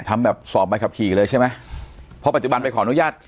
ทำแบบสอบใบขับขี่เลยใช่ไหมเพราะปัจจุบันไปขออนุญาต